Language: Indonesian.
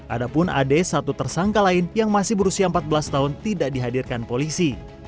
ada pun ad satu tersangka lain yang masih berusia empat belas tahun tidak dihadirkan polisi